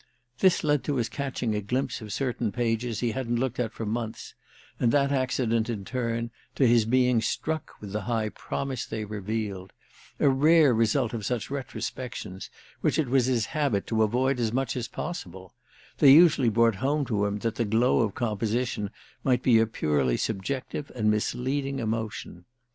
This led to his catching a glimpse of certain pages he hadn't looked at for months, and that accident, in turn, to his being struck with the high promise they revealed—a rare result of such retrospections, which it was his habit to avoid as much as possible: they usually brought home to him that the glow of composition might be a purely subjective and misleading emotion.